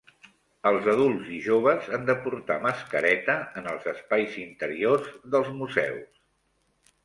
Els adults i joves han de portar mascareta en els espais interiors dels museus.